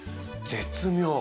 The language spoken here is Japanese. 絶妙。